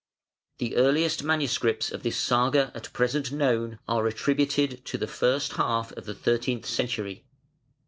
] The earliest manuscripts of this Saga at present known are attributed to the first half of the thirteenth century.